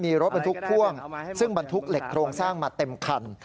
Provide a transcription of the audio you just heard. มีรถบรรทุกพ่วงซึ่งบรรทุกเหล็กโครงสร้างมาเต็มคัน